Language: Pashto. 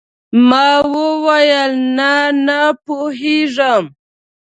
ما وويل نه نه پوهېږم.